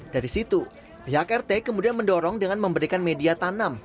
dari situ pihak rt kemudian mendorong dengan memberikan media tanam